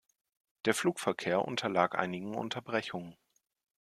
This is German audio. Der Flugverkehr unterlag einigen Unterbrechungen.